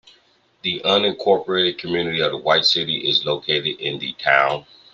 The unincorporated community of White City is located in the town.